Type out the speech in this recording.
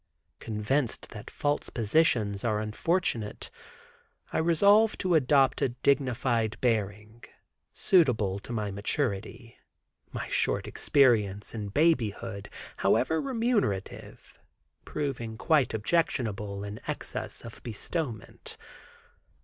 Convinced that false positions are unfortunate, I resolve to adopt a dignified bearing, suitable to my maturity, my short experience in babyhood, however remunerative, proving quite objectionable in excess of bestowment.